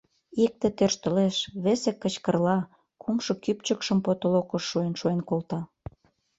Икте тӧрштылеш, весе кычкырла, кумшо кӱпчыкшым потолокыш шуэн-шуэн колта.